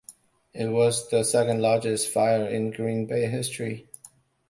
It was the second largest fire in Green Bay history.